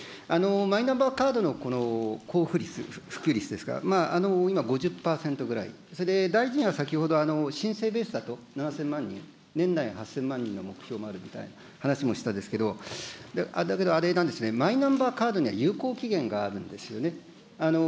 マイナンバーカードのこの交付率、普及率ですか、今５０％ぐらい、大臣は先ほど申請ベースだと、７０００万人、年内８０００万人の目標があるみたいな話もしたんですけど、だけどあれなんですね、マイナンバーカードには有効期限があるんですよね。